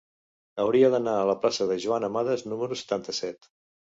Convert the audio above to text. Hauria d'anar a la plaça de Joan Amades número setanta-set.